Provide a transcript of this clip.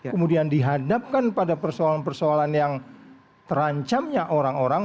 kemudian dihadapkan pada persoalan persoalan yang terancamnya orang orang